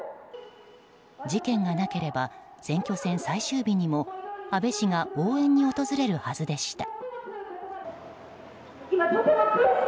事件がなければ選挙戦最終日にも安倍氏が応援に訪れるはずでした。